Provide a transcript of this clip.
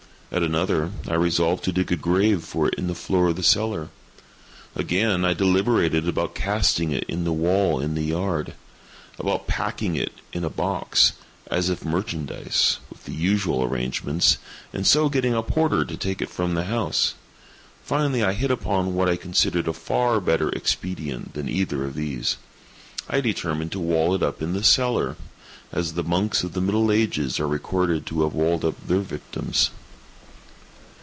At another, I resolved to dig a grave for it in the floor of the cellar. Again, I deliberated about casting it in the well in the yard—about packing it in a box, as if merchandise, with the usual arrangements, and so getting a porter to take it from the house. Finally I hit upon what I considered a far better expedient than either of these. I determined to wall it up in the cellar—as the monks of the middle ages are recorded to have walled up their victims.